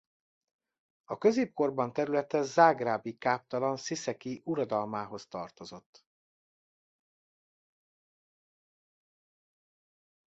A középkorban területe zágrábi káptalan sziszeki uradalmához tartozott.